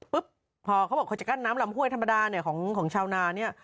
ปุ๊บเขาบอกว่าจะกั้นน้ำลำห้วยธรรมดาของชาวนานี่